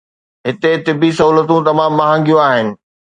هتي طبي سهولتون تمام مهانگيون آهن.